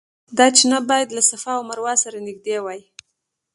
دا چینه باید له صفا او مروه سره نږدې وای.